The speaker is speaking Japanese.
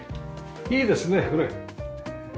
いいですねこれ。